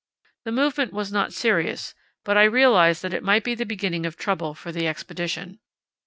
The movement was not serious, but I realized that it might be the beginning of trouble for the Expedition.